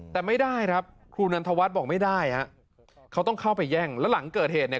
แต่ไม่ได้ครับครูนันทวัฒน์บอกไม่ได้ฮะเขาต้องเข้าไปแย่งแล้วหลังเกิดเหตุเนี่ย